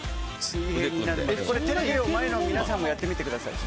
テレビの前の皆さんもやってみてください。